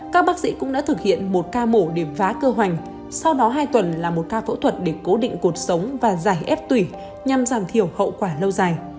các bác sĩ cũng đã thực hiện một ca mổ để phá cơ hoành sau đó hai tuần là một ca phẫu thuật để cố định cuộc sống và giải ép tùy nhằm giảm thiểu hậu quả lâu dài